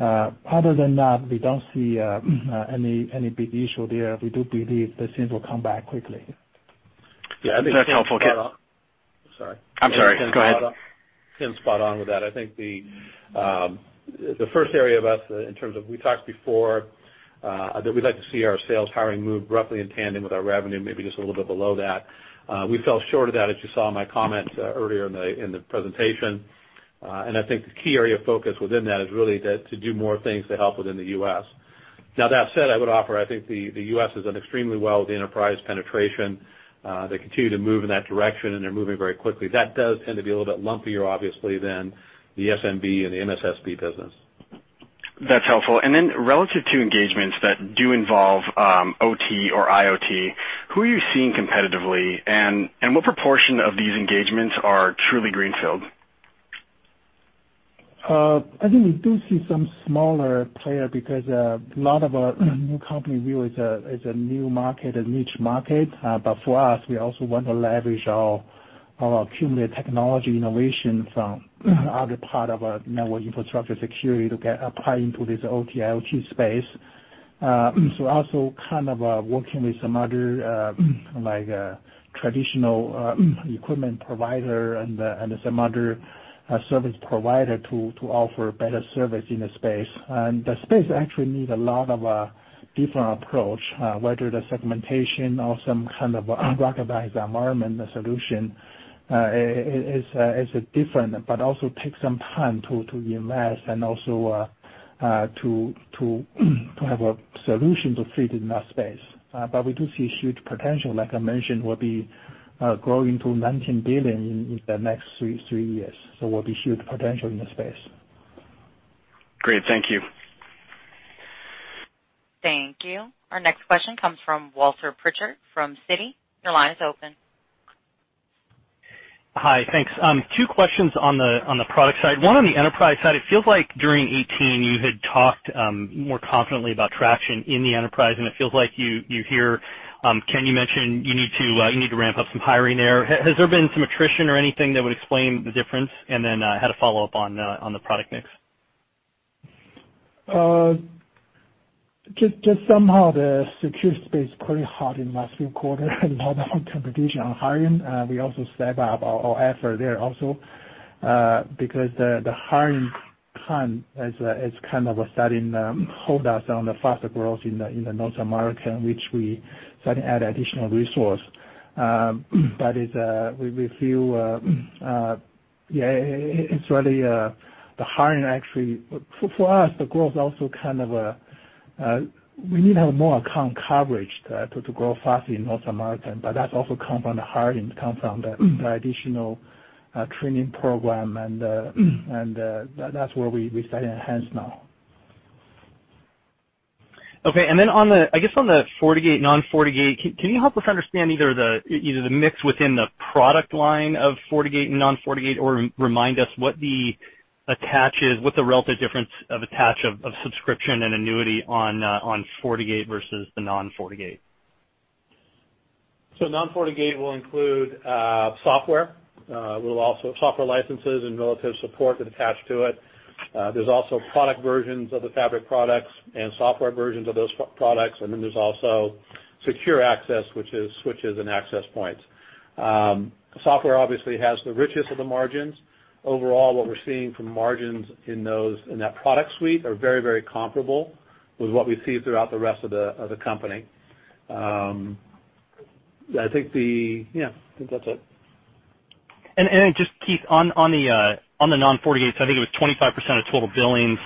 Speaker 3: Other than that, we don't see any big issue there. We do believe that things will come back quickly.
Speaker 13: Yeah. That's helpful, guys.
Speaker 4: Sorry.
Speaker 13: I'm sorry. Go ahead.
Speaker 4: Ken's spot on with that. I think the first area of S, in terms of, we talked before, that we'd like to see our sales hiring move roughly in tandem with our revenue, maybe just a little bit below that. We fell short of that, as you saw in my comment earlier in the presentation. I think the key area of focus within that is really to do more things to help within the U.S. That said, I would offer, I think the U.S. has done extremely well with the enterprise penetration. They continue to move in that direction, and they're moving very quickly. That does tend to be a little bit lumpier, obviously, than the SMB and the MSSP business.
Speaker 13: That's helpful. Then relative to engagements that do involve OT or IoT, who are you seeing competitively, and what proportion of these engagements are truly greenfield?
Speaker 3: I think we do see some smaller player because a lot of new company view it as a new market, a niche market. For us, we also want to leverage our accumulated technology innovation from other part of our network infrastructure security to get applied into this OT/IoT space. Also kind of working with some other traditional equipment provider and some other service provider to offer better service in the space. The space actually need a lot of different approach, whether the segmentation or some kind of unrecognized environment solution is different, also take some time to invest and also to have a solution to fit in that space. We do see huge potential. Like I mentioned, we'll be growing to $19 billion in the next three years, will be huge potential in the space.
Speaker 13: Great. Thank you.
Speaker 1: Thank you. Our next question comes from Walter Pritchard from Citi. Your line is open.
Speaker 14: Hi. Thanks. Two questions on the product side. One on the enterprise side. It feels like during 2018 you had talked more confidently about traction in the enterprise, it feels like you hear Ken you mention you need to ramp up some hiring there. Has there been some attrition or anything that would explain the difference? I had a follow-up on the product mix.
Speaker 3: Just somehow the secure space pretty hard in last few quarter, a lot of competition on hiring. We also step up our effort there also, because the hiring time is kind of starting hold us on the faster growth in the North America, which we starting to add additional resource. We feel, it's really the hiring actually, for us, the growth also kind of, we need to have more account coverage to grow faster in North America. That also come from the hiring, come from the additional training program and that's where we starting to enhance now.
Speaker 14: Okay. I guess on the FortiGate, non-FortiGate, can you help us understand either the mix within the product line of FortiGate and non-FortiGate, or remind us what the relative difference of attach of subscription and annuity on FortiGate versus the non-FortiGate?
Speaker 4: Non-FortiGate will include software. Software licenses and relative support that attach to it. There's also product versions of the fabric products and software versions of those products. There's also secure access, which is switches and access points. Software obviously has the richest of the margins. Overall, what we're seeing from margins in that product suite are very, very comparable with what we see throughout the rest of the company. I think that's it.
Speaker 14: Just, Keith, on the non-FortiGate, I think it was 25% of total billings,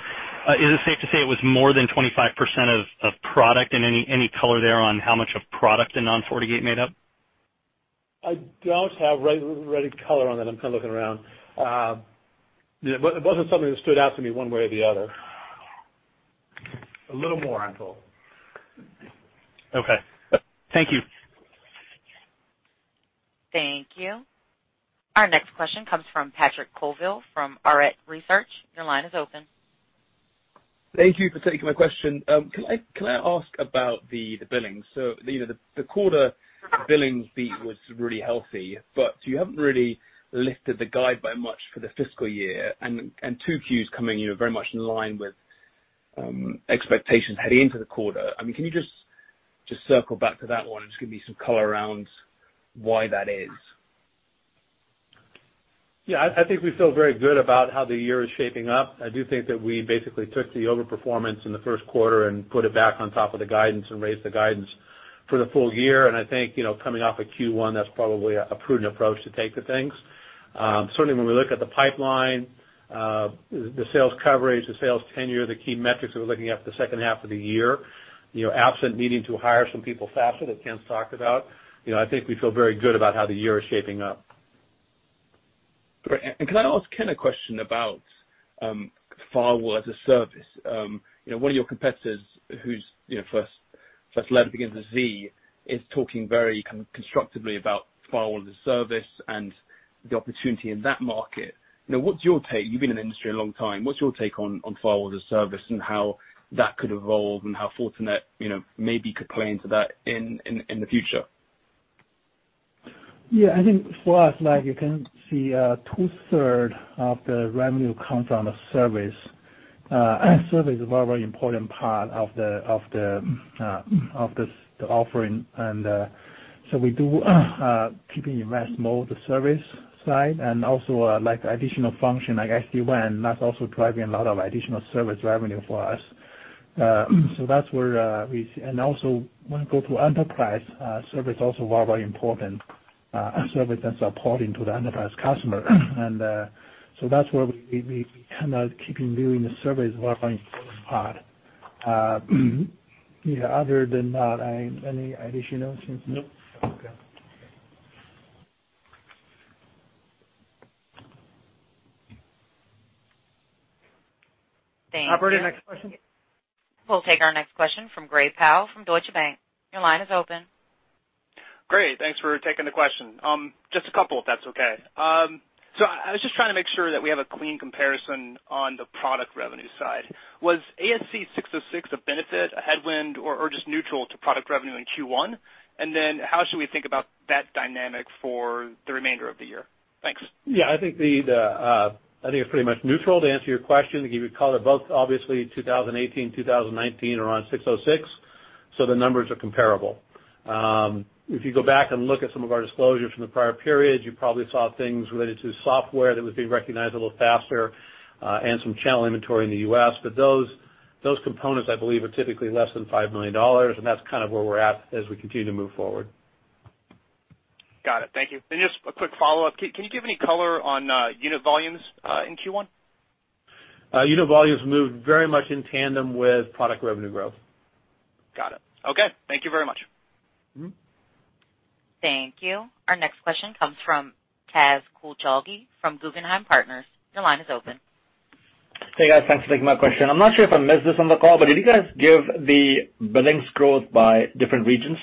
Speaker 14: is it safe to say it was more than 25% of product? Any color there on how much of product the non-FortiGate made up?
Speaker 4: I don't have ready color on that. I'm kind of looking around. It wasn't something that stood out to me one way or the other.
Speaker 3: A little more on total.
Speaker 4: Okay. Thank you.
Speaker 1: Thank you. Our next question comes from Patrick Colville from Arete Research. Your line is open.
Speaker 15: Thank you for taking my question. Can I ask about the billings? The quarter billings beat was really healthy, you haven't really lifted the guide by much for the fiscal year, two cues coming very much in line with expectations heading into the quarter. Can you just circle back to that one and just give me some color around why that is?
Speaker 4: I think we feel very good about how the year is shaping up. I do think that we basically took the over-performance in the first quarter and put it back on top of the guidance and raised the guidance for the full year. I think, coming off a Q1, that's probably a prudent approach to take to things. Certainly, when we look at the pipeline, the sales coverage, the sales tenure, the key metrics that we're looking at for the second half of the year. Absent needing to hire some people faster, that Ken's talked about, I think we feel very good about how the year is shaping up.
Speaker 15: Great. Can I ask Ken a question about firewall as a service? One of your competitors, whose first letter begins with Z, is talking very constructively about firewall as a service and the opportunity in that market. You've been in the industry a long time. What's your take on firewall as a service and how that could evolve and how Fortinet maybe could play into that in the future?
Speaker 3: Yeah, I think for us, like you can see two-third of the revenue comes from the service. Service is a very important part of the offering, and so we do keeping invest more the service side and also like additional function like SD-WAN, that's also driving a lot of additional service revenue for us. Also when you go to enterprise, service also very important, service that's supporting to the enterprise customer. So that's where we kind of keeping viewing the service as well very important part. Other than that, any additional since.
Speaker 4: Nope.
Speaker 3: Okay.
Speaker 1: Thank you.
Speaker 4: Operator, next question.
Speaker 1: We'll take our next question from Gray Powell from Deutsche Bank. Your line is open.
Speaker 16: Thanks for taking the question. Just a couple, if that's okay. I was just trying to make sure that we have a clean comparison on the product revenue side. Was ASC 606 a benefit, a headwind, or just neutral to product revenue in Q1? How should we think about that dynamic for the remainder of the year? Thanks.
Speaker 4: I think it's pretty much neutral to answer your question. If you recall, they're both obviously 2018, 2019 around 606, so the numbers are comparable. If you go back and look at some of our disclosures from the prior periods, you probably saw things related to software that was being recognized a little faster, and some channel inventory in the U.S. Those components, I believe, are typically less than $5 million, and that's kind of where we're at as we continue to move forward.
Speaker 16: Got it. Thank you. Just a quick follow-up. Can you give any color on unit volumes in Q1?
Speaker 4: Unit volumes moved very much in tandem with product revenue growth.
Speaker 16: Got it. Okay. Thank you very much.
Speaker 1: Thank you. Our next question comes from Taz Koujalgi from Guggenheim Partners. Your line is open.
Speaker 17: Hey, guys, thanks for taking my question. I'm not sure if I missed this on the call, but did you guys give the billings growth by different regions?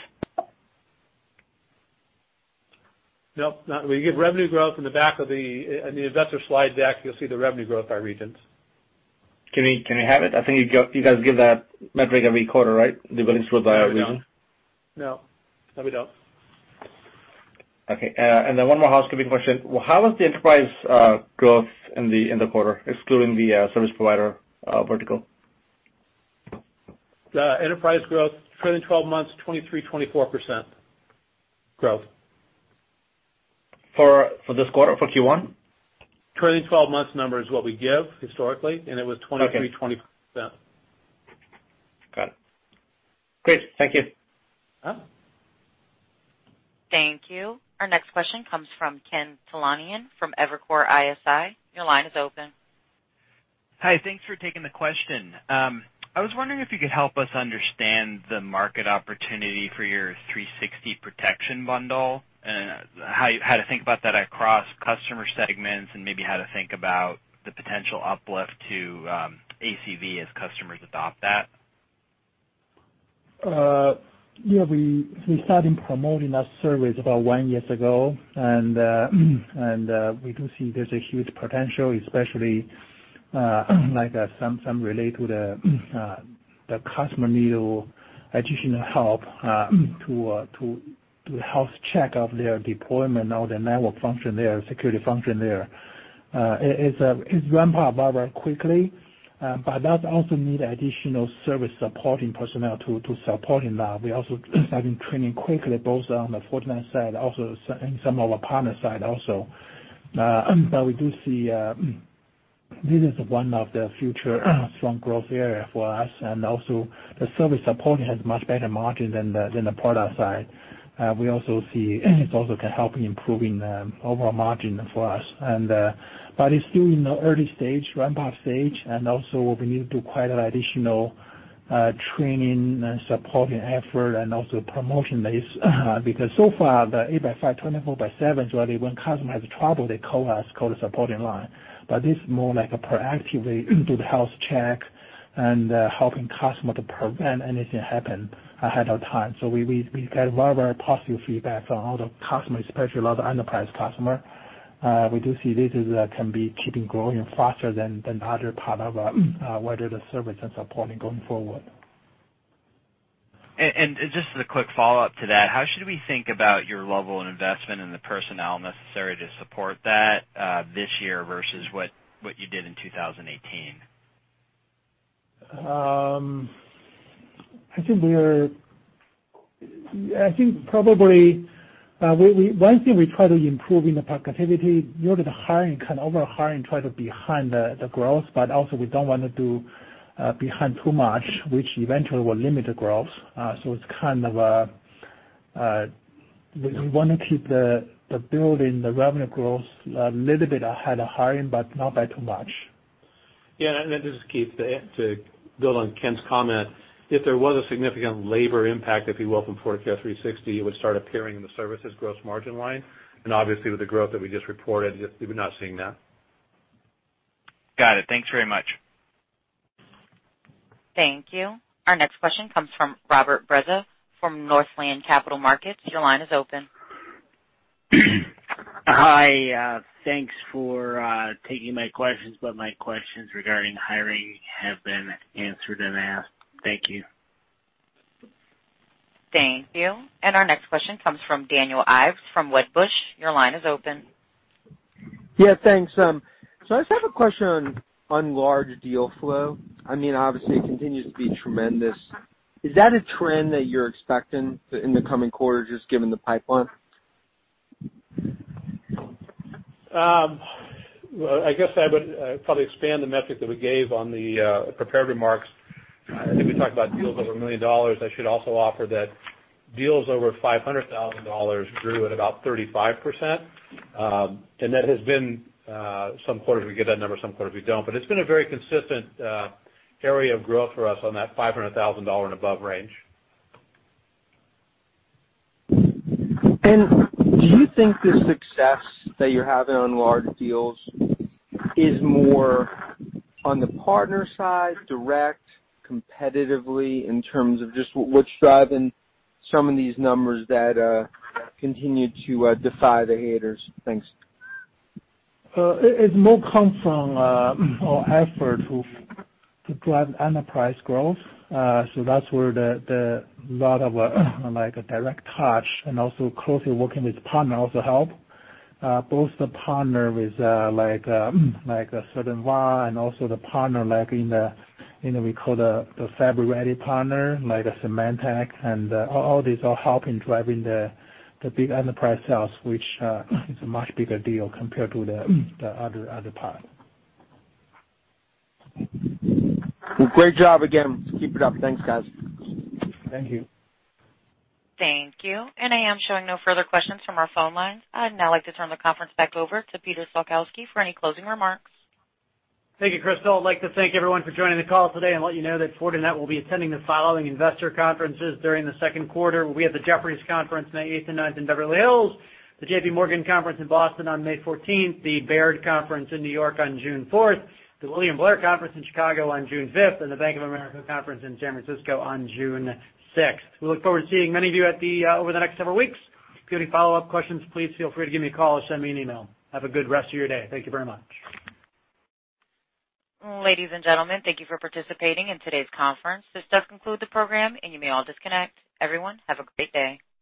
Speaker 4: Nope. We give revenue growth in the back of the investor slide deck, you'll see the revenue growth by regions.
Speaker 17: Can we have it? I think you guys give that metric every quarter, right? The billings growth by region.
Speaker 4: No, that we don't.
Speaker 17: Okay. One more housekeeping question. How was the enterprise growth in the quarter, excluding the service provider vertical?
Speaker 4: The enterprise growth, trailing 12 months, 23, 24% growth.
Speaker 17: For this quarter, for Q1?
Speaker 4: Trailing 12 months number is what we give historically, and it was 23%-24%.
Speaker 17: Okay. Got it. Great. Thank you.
Speaker 1: Thank you. Our next question comes from Ken Talanian from Evercore ISI. Your line is open.
Speaker 18: Hi, thanks for taking the question. I was wondering if you could help us understand the market opportunity for your 360 Protection Bundle, how to think about that across customer segments, and maybe how to think about the potential uplift to ACV as customers adopt that.
Speaker 3: Yeah. We started promoting that service about one years ago, we do see there's a huge potential, especially like some relate to the customer need additional help to health check of their deployment or their network function there, security function there. It ramp up very quickly, that also need additional service supporting personnel to supporting that. We also started training quickly, both on the Fortinet side, also in some of our partner side also. We do seeThis is one of the future strong growth area for us, also the service support has much better margin than the product side. We also see it also can help in improving the overall margin for us. It's still in the early stage, ramp-up stage, also we need to do quite an additional training and supporting effort and also promotion this, because so far, the eight by five, 24 by seven, so that when customer has trouble, they call us, call the supporting line. This is more like a proactive way, do the health check and helping customer to prevent anything happen ahead of time. We've had very positive feedback from all the customers, especially a lot of enterprise customer. We do see this can be keeping growing faster than other part of whether the service and supporting going forward.
Speaker 18: Just as a quick follow-up to that, how should we think about your level of investment and the personnel necessary to support that this year versus what you did in 2018?
Speaker 3: One thing we try to improve in the productivity, usually the hiring, kind of over-hiring, try to behind the growth, also we don't want to do behind too much, which eventually will limit the growth. It's kind of a, we want to keep the building, the revenue growth a little bit ahead of hiring, but not by too much.
Speaker 4: Yeah, this is Keith. To build on Ken's comment, if there was a significant labor impact, if you will, from FortiCare 360°, it would start appearing in the services gross margin line. Obviously with the growth that we just reported, we're not seeing that.
Speaker 18: Got it. Thanks very much.
Speaker 1: Thank you. Our next question comes from Robert Breza from Northland Capital Markets. Your line is open.
Speaker 19: Hi, thanks for taking my questions. My questions regarding hiring have been answered and asked. Thank you.
Speaker 1: Thank you. Our next question comes from Daniel Ives from Wedbush. Your line is open.
Speaker 20: Thanks. I just have a question on large deal flow. Obviously it continues to be tremendous. Is that a trend that you're expecting in the coming quarters, just given the pipeline?
Speaker 4: I guess I would probably expand the metric that we gave on the prepared remarks. I think we talked about deals over $1 million. I should also offer that deals over $500,000 grew at about 35%. Some quarters we get that number, some quarters we don't. It's been a very consistent area of growth for us on that $500,000 and above range.
Speaker 20: Do you think the success that you're having on large deals is more on the partner side, direct, competitively, in terms of just what's driving some of these numbers that continue to defy the haters? Thanks.
Speaker 3: It more comes from our effort to drive enterprise growth, so that's where a lot of direct touch and also closely working with partner also help. Both the partner with a certain VA and also the partner like in the, we call the Fabric-Ready Partner, like Symantec, and all these are helping driving the big enterprise sales, which is a much bigger deal compared to the other part.
Speaker 20: Well, great job again. Keep it up. Thanks, guys.
Speaker 3: Thank you.
Speaker 1: Thank you. I am showing no further questions from our phone lines. I'd now like to turn the conference back over to Peter Salkowski for any closing remarks.
Speaker 2: Thank you, Crystal. I'd like to thank everyone for joining the call today and let you know that Fortinet will be attending the following investor conferences during the second quarter. We have the Jefferies Conference May eighth and ninth in Beverly Hills, the JPMorgan Conference in Boston on May 14th, the Baird Conference in New York on June 4th, the William Blair Conference in Chicago on June 5th, and the Bank of America Conference in San Francisco on June 6th. We look forward to seeing many of you over the next several weeks. If you have any follow-up questions, please feel free to give me a call or send me an email. Have a good rest of your day. Thank you very much.
Speaker 1: Ladies and gentlemen, thank you for participating in today's conference. This does conclude the program, and you may all disconnect. Everyone, have a great day.